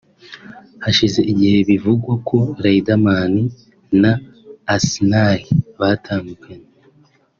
Hashize igihe bivugwa ko Riderman na Asnah batandukanye